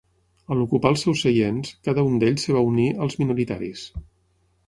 A l'ocupar els seus seients, cada un d'ells es va unir als minoritaris.